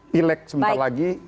pilek sebentar lagi